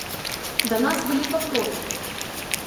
Да нас былі папрокі.